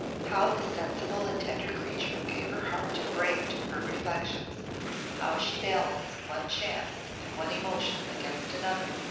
How the sensible and tender creature gave her heart and brain to her reflections! How she balanced one chance and one emotion against another!